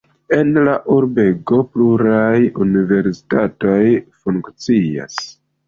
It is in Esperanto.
En la urbego pluraj universitatoj funkcias.